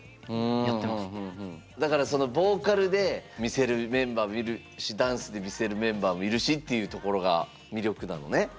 だからそのボーカルで魅せるメンバーもいるしダンスで魅せるメンバーもいるしっていうところが魅力なのね。